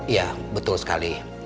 ya betul sekali